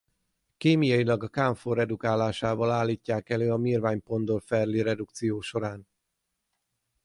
Kémiailag a kámfor redukálásával állítják elő a Meerwein–Ponndorf–Verley-redukció során.